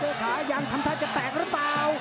ขายังทำท่าจะแตกหรือเปล่า